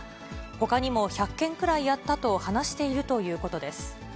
ほかにも１００件くらいやったと話しているということです。